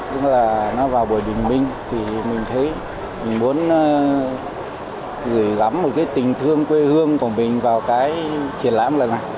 đúng là nó vào buổi bình minh thì mình thấy mình muốn gửi gắm một cái tình thương quê hương của mình vào cái triển lãm lần này